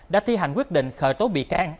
đã thi hành quyết định khởi tố bị can